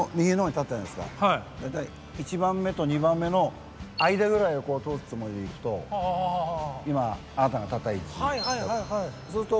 大体１番目と２番目の間ぐらいを通すつもりでいくと今あなたが立った位置だと。